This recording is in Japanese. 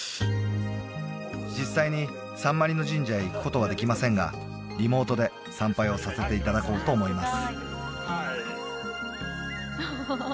実際にサンマリノ神社へ行くことはできませんがリモートで参拝をさせていただこうと思います